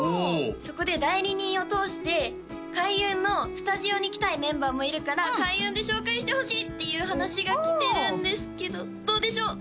そこで代理人を通して開運のスタジオに来たいメンバーもいるから「開運で紹介してほしい」っていう話が来てるんですけどどうでしょう？